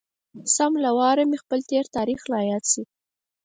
سم له واره مې خپل تېر تاريخ را یاد شي.